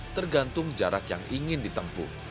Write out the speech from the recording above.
tergantung jarak yang ingin ditempuh